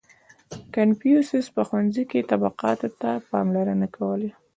• کنفوسیوس په ښوونځي کې طبقاتو ته پاملرنه نه کوله.